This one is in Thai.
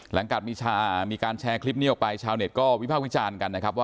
หลังกับมีชามีการแชร์คลิปนี้เอาไปชาวเน็ตก็วิบากวิชากันนะครับ